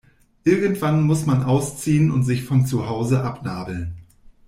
Irgendwann muss man ausziehen und sich von zu Hause abnabeln.